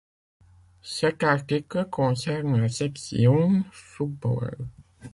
Cet article concerne la section football.